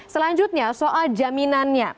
selanjutnya soal jaminannya